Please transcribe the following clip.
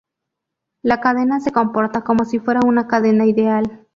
La cadena se comporta como si fuera una cadena ideal.